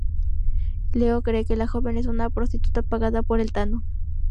Leo cree que la joven es una prostituta pagada por el Tano.